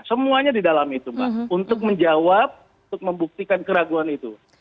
semuanya di dalam itu mbak untuk menjawab untuk membuktikan keraguan itu